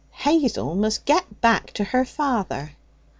'Hazel must get back to her father.'